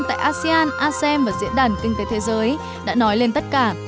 tại asean asem và diễn đàn kinh tế thế giới đã nói lên tất cả